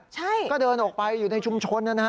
ใช่ก็เดินออกไปอยู่ในชุมชนนะฮะ